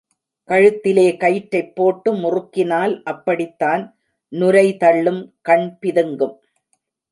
கழுத்திலே கயிற்றைப் போட்டு முறுக்கினால் அப்படித்தான் நுரை தள்ளும் கண் பிதுங்கும்.